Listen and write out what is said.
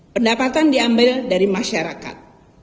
pendapatan diambil dari masyarakat